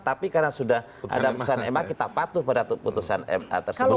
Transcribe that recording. dua lima tapi karena sudah ada keputusan ma kita patuh pada keputusan ma tersebut